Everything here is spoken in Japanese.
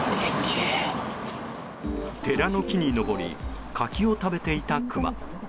寺の木に登り柿を食べていたクマ。